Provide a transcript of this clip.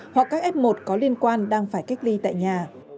hoặc các f một có liên quan đang phải cách ly tại nhà